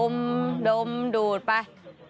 มดมดูดไป